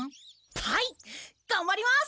はいがんばります！